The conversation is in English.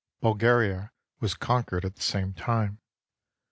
Bulgaria was con quered at the same time.